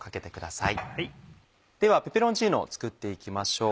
ではペペロンチーノを作って行きましょう。